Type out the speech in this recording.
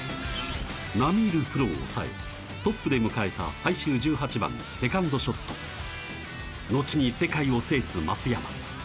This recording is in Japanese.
並み居るプロを抑えトップで迎えた最終１８番セカンドショットのちに世界を制す松山